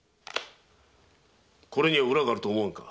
これには裏があると思わぬか？